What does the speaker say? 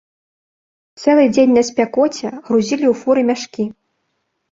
Цэлы дзень на спякоце грузілі ў фуры мяшкі.